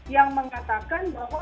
yang mengatakan bahwa